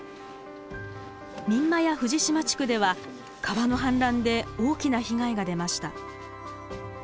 三厩藤嶋地区では川の氾濫で大きな被害が出ました。